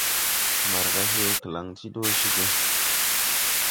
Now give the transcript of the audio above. Mbargà hee klaŋ ti dɔ ceg.